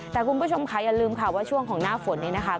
แต่คุณผู้ชมค่ะอย่าลืมค่ะว่าช่วงของหน้าฝนนี้นะคะ